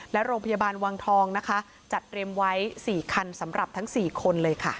และโรงพยาบาลวังทองนะคะจัดเตรียมไว้๔คันสำหรับทั้ง๔คนเลยค่ะ